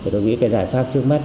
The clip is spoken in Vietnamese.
tôi nghĩ cái giải pháp trước mắt